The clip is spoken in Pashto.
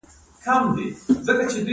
د اسیکوډا سیستم په ګمرکونو کې کار کوي؟